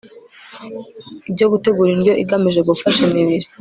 ibyo gutegura indyo igamije gufasha imibiri